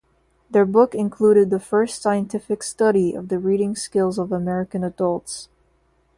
Their book included the first scientific study of the reading skills of American adults.